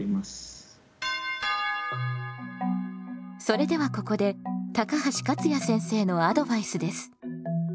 それではここで高橋勝也先生のアドバイスです。